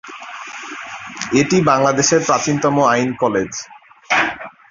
এটি বাংলাদেশের প্রাচীনতম আইন কলেজ।